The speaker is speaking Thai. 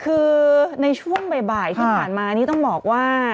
คือในช่วงบ่ายที่ผ่านมานี่ต้องบอกว่า